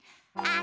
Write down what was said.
あ！